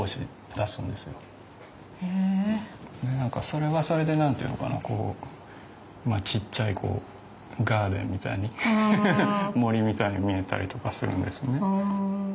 それはそれで何て言うのかなこうちっちゃいガーデンみたいに森みたいに見えたりとかするんですよね。